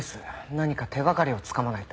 何か手がかりをつかまないと。